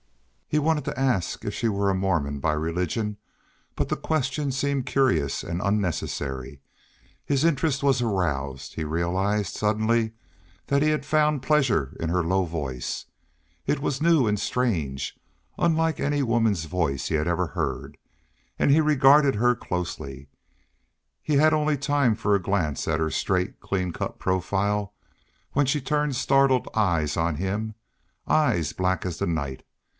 He wanted to ask if she were a Mormon by religion, but the question seemed curious and unnecessary. His interest was aroused; he realized suddenly that he had found pleasure in her low voice; it was new and strange, unlike any woman's voice he had ever heard; and he regarded her closely. He had only time for a glance at her straight, clean cut profile, when she turned startled eyes on him, eyes black as the night.